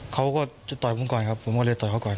เขาก็จะต่อยผมก่อนครับผมก็เลยต่อยเขาก่อน